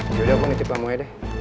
yaudah aku ngetip kamu aja deh